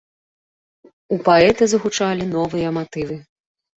У паэта загучалі новыя матывы.